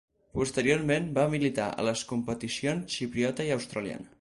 Posteriorment, va militar a les competicions xipriota i australiana.